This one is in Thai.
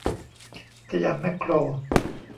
สยามแม็คโคร